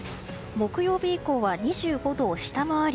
木曜日以降は２５度を下回り